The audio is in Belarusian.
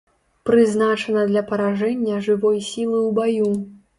Прызначана для паражэння жывой сілы ў баю.